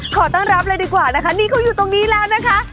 ขอต้อนรับเลยดีกว่านะคะนี่เขาอยู่ตรงนี้แล้วนะคะ